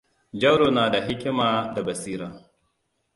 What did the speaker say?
Jauro nada hikima da basira.